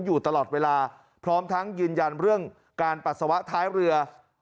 อยู่ตลอดเวลาพร้อมทั้งยืนยันเรื่องการปัสสาวะท้ายเรือ